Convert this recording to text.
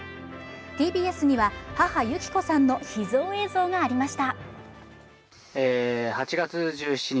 ＴＢＳには母・有紀子さんの秘蔵映像がありました。